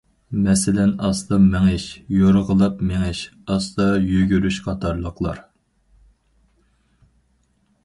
مەسىلەن: ئاستا مېڭىش، يورغىلاپ مېڭىش، ئاستا يۈگۈرۈش قاتارلىقلار.